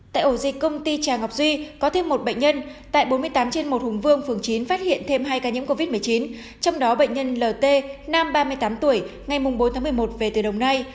tại ổ dịch công ty trà ngọc duy có thêm một bệnh nhân tại bốn mươi tám trên một hùng vương phường chín phát hiện thêm hai ca nhiễm covid một mươi chín trong đó bệnh nhân lt nam ba mươi tám tuổi ngày bốn tháng một mươi một về từ đồng nai